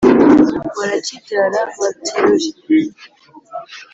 barakibyara babyirure.